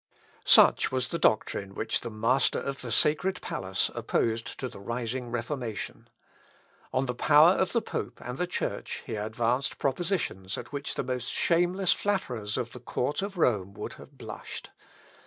Such was the doctrine which the master of the sacred palace opposed to the rising Reformation. On the power of the pope and the Church he advanced propositions at which the most shameless flatterers of the court of Rome would have blushed.